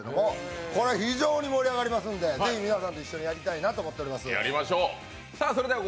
これ非常に盛り上がりますんでぜひ皆さんとやりたいなと思っております。